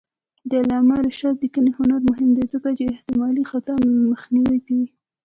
د علامه رشاد لیکنی هنر مهم دی ځکه چې احتمالي خطا مخنیوی کوي.